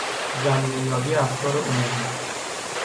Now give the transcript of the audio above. زمینه یابی افکار عمومی